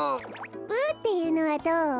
ブっていうのはどう？